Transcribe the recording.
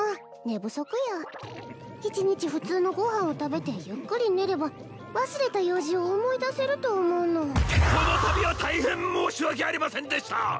寝不足や一日普通のご飯を食べてゆっくり寝れば忘れた用事を思い出せると思うのこの度は大変申し訳ありませんでした！